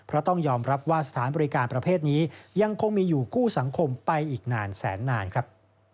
เพราะต้องยอมรับว่าสถานบริการประเภทนี้ยังคงมีอยู่กู้สังคมไปอีกนานแสนนานครับ